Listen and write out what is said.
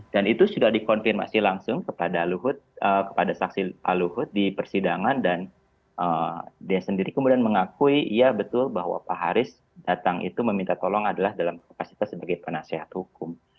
dan itu sudah dikonfirmasi langsung kepada luhut kepada saksi luhut di persidangan dan dia sendiri kemudian mengakui ya betul bahwa pak haris datang itu meminta tolong adalah dalam kapasitas sebagai penasehat hukum